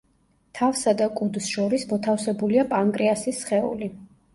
თავსა და კუდს შორის მოთავსებულია პანკრეასის სხეული.